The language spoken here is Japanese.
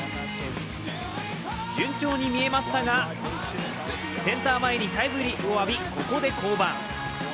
順調に見えましたが、センター前にタイムリーを浴び、ここで降板。